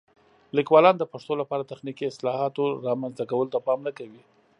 لیکوالان د پښتو لپاره د تخنیکي اصطلاحاتو رامنځته کولو ته پام نه کوي.